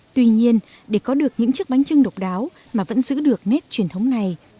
tuy nhiên để có được những chiếc bánh trưng độc đáo mà vẫn giữ được nét truyền thống này